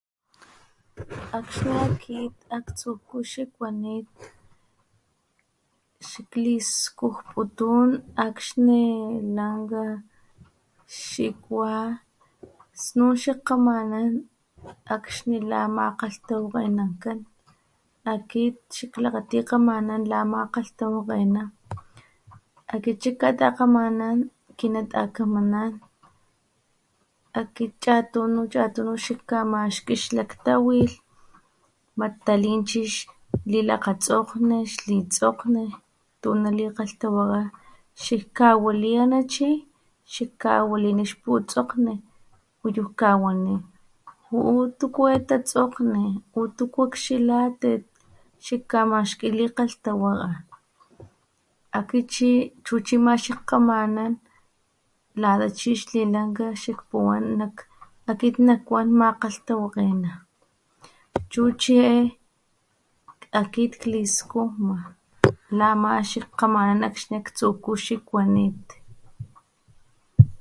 Akxni akit aktsujku xikuanit xakliskujputun akxni lanka xikua snun xakkgamanan akxni lamakgalhtawakgenankan akit xak klakgati kgamanan lamakgahtawakgena akit xakkatakgamanan kinatakamanan akit chatunu, chatunu xakkamaxki xlaktawilh mat talin chi lilakgatsokgni xli tsokgni tu nalikgalhtawakga xikkawali ana chi xikkawalini xputsokgni uyu jkawani; ju'u tuku e tatsokgni, ju'u tuku akxilatit xikkamaxki kilkgalhtawakga ,kit chi chu chi ama xikkgamanan lata chi xlilanka xikpuwan akit nakuan makgalhtawakgena chu chi e akit kliskujma lama xakkgamanan lata aktsujku xikuanit.